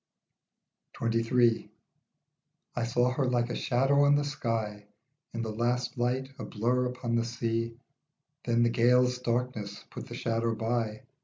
26 XXIII. I SAW her like a shadow on the sky In the last light, a blur upon the sea; Then the gale's darkness put the shadow by.